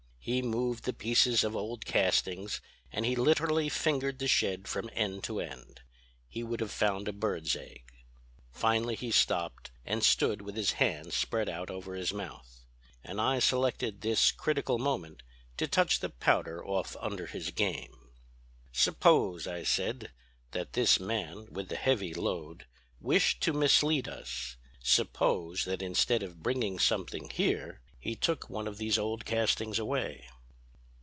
He moved the pieces of old castings and he literally fingered the shed from end to end. He would have found a bird's egg. "Finally he stopped and stood with his hand spread out over his mouth. And I selected this critical moment to touch the powder off under his game. "'Suppose,' I said, 'that this man with the heavy load wished to mislead us; suppose that instead of bringing something here he took one of these old castings away?'